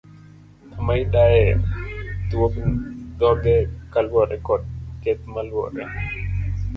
Kama idaye dhoge kaluwore kod keth maluore.